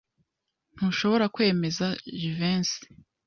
Ntuzashobora kwemeza Jivency.